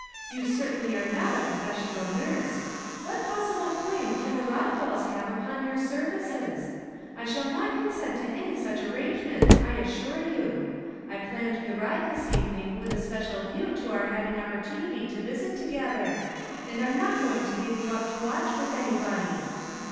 You certainly are not a professional nui se. Wliat possible claim can the Uothwells have upon yoiii services ? I shall not consent to any such arrantrc ment, I assure you. I planned the ride this even ing with a special view to our having op[)ortuniJv to visit together, and I am not going to give yoii up to watch with anybody."